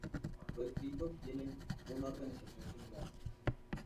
Los distritos tienen una organización similar.